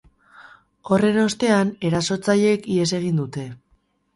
Horren ostean, erasotzaileek ihes egin dute.